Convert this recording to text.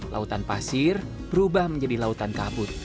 lautan pasir berubah menjadi lautan kabut